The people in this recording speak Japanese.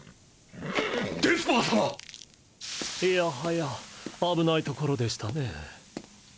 いやはや危ないところでしたね。